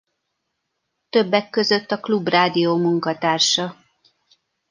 Többek között a Klubrádió munkatársa.